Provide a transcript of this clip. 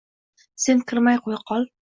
Sen kirmay qo‘ya qol.